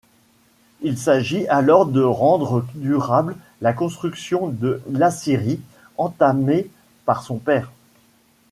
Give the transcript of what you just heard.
Il s'agit alors de rendre durable la construction de l'Assyrie entamée par son père.